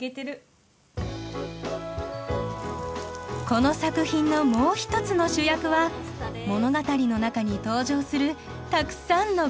この作品のもう一つの主役は物語の中に登場するたくさんのごはん。